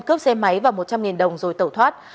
cướp xe máy và một trăm linh đồng rồi tẩu thoát